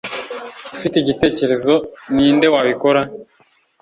ufite igitekerezo ninde wabikora